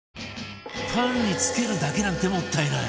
パンにつけるだけなんてもったいない！